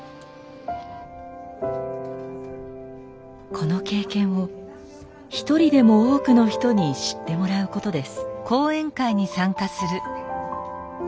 この経験を一人でも多くの人に知ってもらうことです。